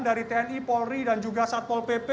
dari tni polri dan juga satpol pp